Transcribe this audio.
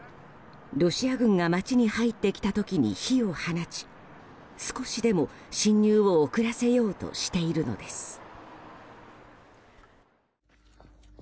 ロシア軍が街に入ってきた時に火を放ち少しでも侵入を遅らせようとしているのです。